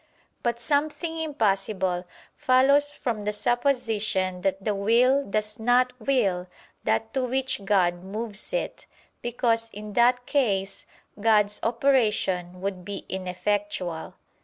But something impossible follows from the supposition that the will does not will that to which God moves it: because in that case God's operation would be ineffectual.